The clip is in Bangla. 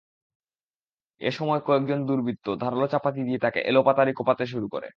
এ সময় কয়েকজন দুর্বৃত্ত ধারালো চাপাতি দিয়ে তাঁকে এলোপাতাড়ি কোপাতে শুরু করে।